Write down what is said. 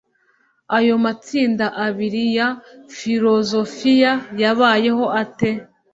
ayo matsinda abiri ya filozofiya yabayeho ate?